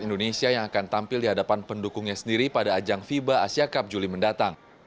indonesia yang akan tampil di hadapan pendukungnya sendiri pada ajang fiba asia cup juli mendatang